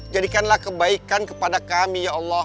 jadikanlah kebaikan kepada kami ya allah